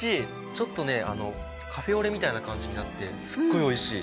ちょっとねカフェオレみたいな感じになってすっごいおいしい。